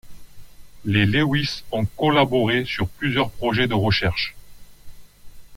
Les Lewis ont collaboré sur plusieurs projets de recherche.